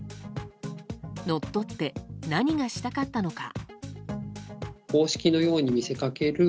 乗っ取って何がしたかったのか。